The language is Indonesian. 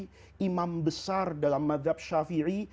yang adalah alim besar dalam madzab syafi'i